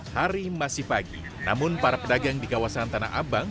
hari masih pagi namun para pedagang di kawasan tanah abang